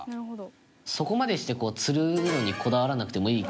そこまでして、吊るのにこだわらなくてもいい。